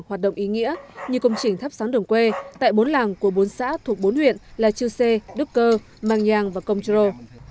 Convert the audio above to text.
hoạt động ý nghĩa như công trình thắp sáng đường quê tại bốn làng của bốn xã thuộc bốn huyện là chư sê đức cơ màng nhang và công trô